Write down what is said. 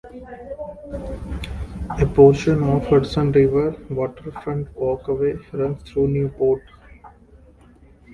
A portion of the Hudson River Waterfront Walkway runs through Newport.